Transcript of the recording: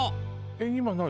えっ今何？